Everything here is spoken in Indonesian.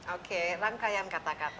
oke rangkaian kata kata